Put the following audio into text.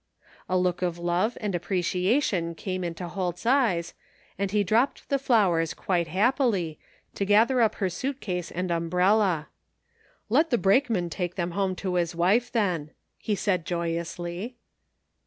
A look of love and a{>preciation came into Holt's eyes, and he dropped the flowers quite happily, to gather up her suit case and umbrella, " Let the brakeman take them home to his wife, then," he said joyously.